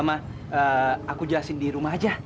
ma aku jahatin di rumah aja